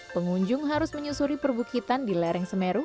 pengunjung harus menyusuri perbukitan di lereng semeru